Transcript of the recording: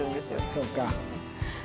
そうか。